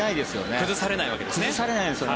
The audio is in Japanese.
崩されないんですよね。